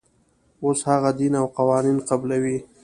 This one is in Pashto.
اوس هغه دین او قوانین قبلوي.